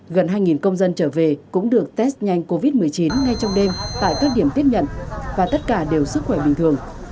gần hai công dân trở về cũng được test nhanh covid một mươi chín ngay trong đêm tại các điểm tiếp nhận và tất cả đều sức khỏe bình thường